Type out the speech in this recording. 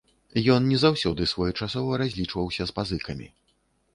Ён не заўсёды своечасова разлічваўся з пазыкамі.